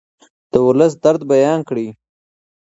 د ولس درد بیان کړئ.